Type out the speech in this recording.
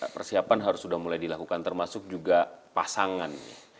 persiapan harus sudah mulai dilakukan termasuk juga pasangan